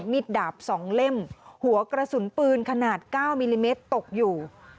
มีดดาบ๒เล่มหัวกระสุนปืนขนาด๙มิลลิเมตรตกอยู่